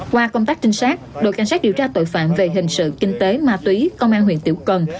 qua công tác trinh sát đội cảnh sát điều tra tội phạm về hình sự kinh tế ma túy công an huyện tiểu cần